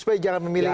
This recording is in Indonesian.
supaya jangan memilih